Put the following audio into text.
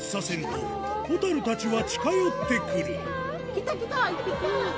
来た来た１匹！